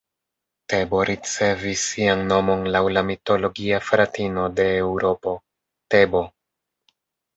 Tebo ricevis sian nomon laŭ la mitologia fratino de Eŭropo, Tebo.